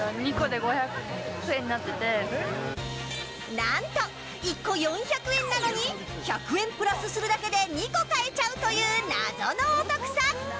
何と１個４００円なのに１００円プラスするだけで２個買えちゃうという謎のお得さ。